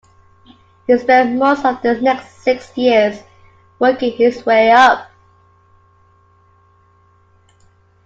He spent most of the next six years working his way up.